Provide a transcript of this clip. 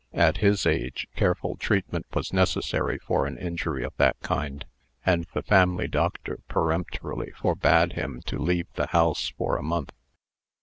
At his age, careful treatment was necessary for an injury of that kind; and the family doctor peremptorily forbade him to leave the house for a month.